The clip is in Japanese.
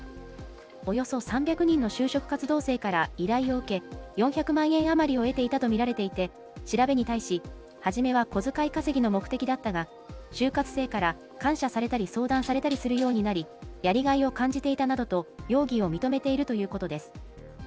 およそ３００人の就職活動生から依頼を受け、４００万円余りを得ていたと見られていて、調べに対し、はじめは小遣い稼ぎの目的だったが、就活生から感謝されたり相談されたりするようになり、やりがいを感じていたなどと容疑を認めているということです。